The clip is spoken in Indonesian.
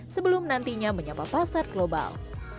sebelum nantinya menyapa pasar global